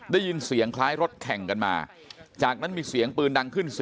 ได้ยินเสียงคล้ายรถแข่งกันมาจากนั้นมีเสียงปืนดังขึ้น